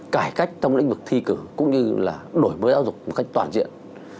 cải cách trong lĩnh vực thi cử cũng như là đổi mới giáo dục một cách toàn diện